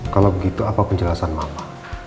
kalau begitu apa penjelasan bapak